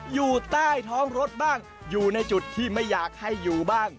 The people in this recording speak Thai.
อยู่ใต้ท้องรถบ้างอยู่ในจุดที่ไม่อยากให้อยู่บ้าง